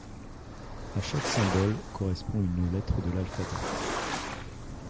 À chaque symbole correspond une lettre de l'alphabet.